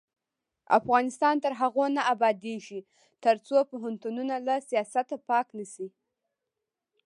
افغانستان تر هغو نه ابادیږي، ترڅو پوهنتونونه له سیاست پاک نشي.